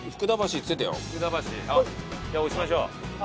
じゃあ押しましょう。